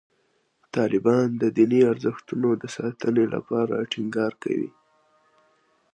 طالبان د دیني ارزښتونو د ساتنې لپاره ټینګار کوي.